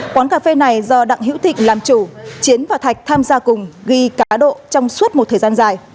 quán cà phê này do đặng hữu thịnh làm chủ chiến và thạch tham gia cùng ghi cá độ trong suốt một thời gian dài